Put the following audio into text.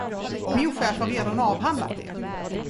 Min chef har redan avhandlat det.